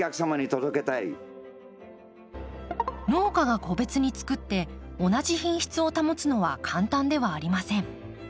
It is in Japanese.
農家が個別につくって同じ品質を保つのは簡単ではありません。